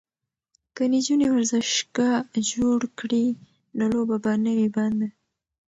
که نجونې ورزشگاه جوړ کړي نو لوبه به نه وي بنده.